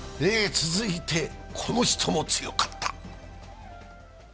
続いてこの人も強かった。